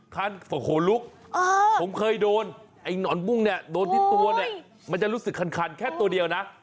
โหลุกผมเคยโดนไอ้หนอนบุ้งเนี่ยโดนที่ตัวเนี่ยมันจะรู้สึกคันแค่ตัวเดียวนะ